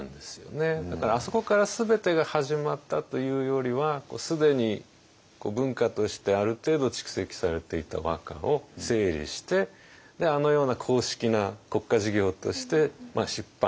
だからあそこから全てが始まったというよりは既に文化としてある程度蓄積されていた和歌を整理してあのような公式な国家事業として出版